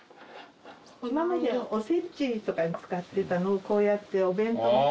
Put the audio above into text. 今までお節とかに使ってたのをこうやってお弁当。